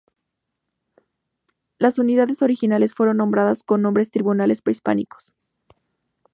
Las unidades originales fueron nombradas con nombres tribales prehispánicos.